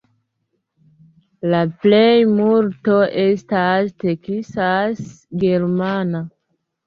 La plejmulto estas teksas-germana.